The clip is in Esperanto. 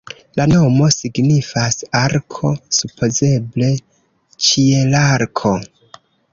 La nomo signifas "arko", supozeble "ĉielarko".